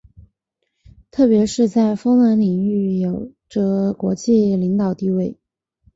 特别是在风能领域有着国际领导地位。